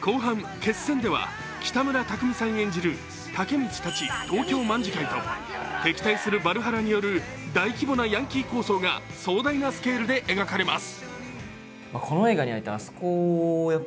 後半「決戦」では北村匠海さん演じるタケミチたち東京卍會と敵対する芭流覇羅による大規模なヤンキー抗争が壮大なスケールで描かれます。